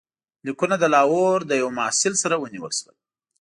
لیکونه د لاهور له یوه محصل سره ونیول شول.